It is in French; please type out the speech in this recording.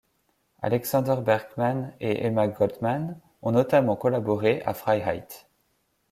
Alexander Berkman et Emma Goldman ont notamment collaboré à Freiheit.